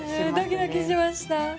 ドキドキしました。